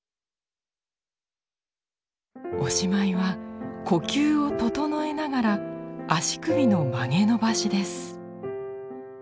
おしまいは呼吸を整えながら足首の曲げ伸ばしです。